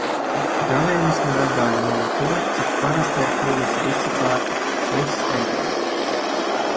Gavēnis man atgādināja to, cik parasta ir kļuvusi visa pārtika, viss ēdiens.